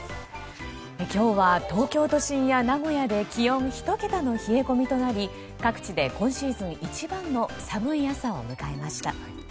今日は東京都心や名古屋で気温１桁の冷え込みとなり各地で今シーズン一番の寒い朝を迎えました。